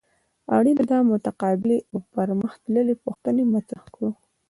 اړینه ده متقابلې او پرمخ تللې پوښتنې مطرح کړو.